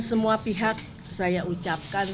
semua pihak saya ucapkan